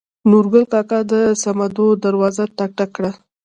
نورګل کاکا د سمدو دروازه ټک ټک کړه.